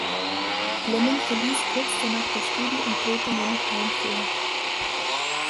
Fleming verließ kurz danach das Studio und drehte nur noch einen Film.